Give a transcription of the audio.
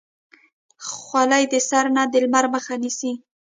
خولۍ د سر نه د لمر مخه نیسي.